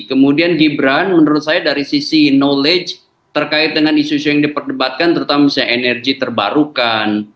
kemudian gibran menurut saya dari sisi knowledge terkait dengan isu isu yang diperdebatkan terutama misalnya energi terbarukan